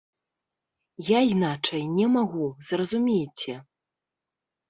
Я іначай не магу, зразумейце.